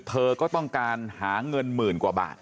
เธอก็ต้องการหาเงินหมื่นกว่าบาท